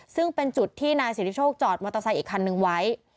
ซึ่งเป็นจุดที่นายสิทธิโชคจอดมอเตอร์ไซค์อีกคันนึงไว้